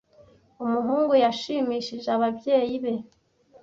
Umuhungu yashimishije ababyeyi be.